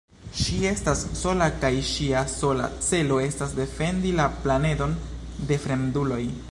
Ŝi estas sola, kaj ŝia sola celo estas defendi la planedon de fremduloj.